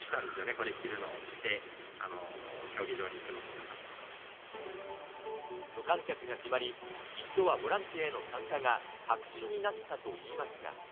これ着るの、着て、無観客が決まり、一度はボランティアへの参加が白紙になったといいますが。